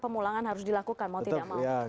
pemulangan harus dilakukan mau tidak mau